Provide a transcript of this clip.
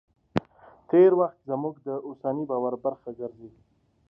تېر وخت زموږ د اوسني باور برخه ګرځي.